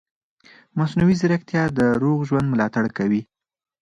مصنوعي ځیرکتیا د روغ ژوند ملاتړ کوي.